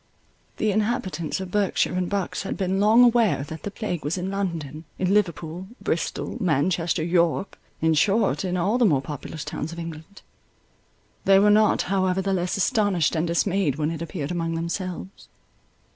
The inhabitants of Berkshire and Bucks had been long aware that the plague was in London, in Liverpool, Bristol, Manchester, York, in short, in all the more populous towns of England. They were not however the less astonished and dismayed when it appeared among themselves.